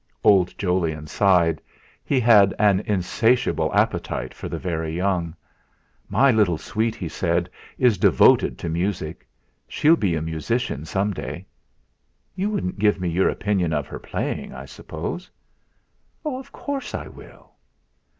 Old Jolyon sighed; he had an insatiable appetite for the very young. "My little sweet," he said, "is devoted to music; she'll be a musician some day. You wouldn't give me your opinion of her playing, I suppose?" "Of course I will."